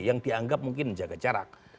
yang dianggap mungkin menjaga jarak